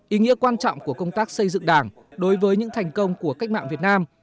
ý nghĩa quan trọng của công tác xây dựng đảng đối với những thành công của cách mạng việt nam